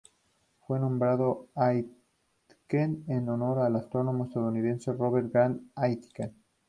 Fue nombrado Aitken en honor al astrónomo estadounidense Robert Grant Aitken.